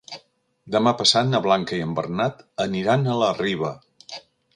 Demà passat na Blanca i en Bernat aniran a la Riba.